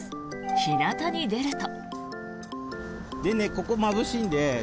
日なたに出ると。